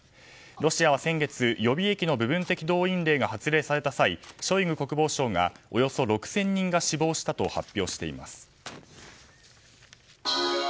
ロシアは先月予備役の部分的動員令が発令された際、ショイグ国防相がおよそ６０００人が死亡したと発表しています。